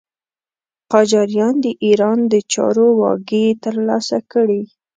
قاجاریان د ایران د چارو واګې تر لاسه کړې.